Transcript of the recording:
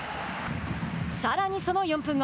さらに、その４分後。